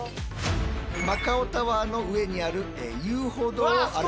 マカオタワーの上にある遊歩道を歩く。